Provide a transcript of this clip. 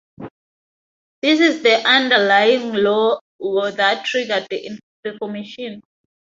This is the underlying law that triggered the formation.